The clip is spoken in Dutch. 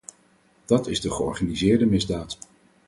Dat is de georganiseerde misdaad.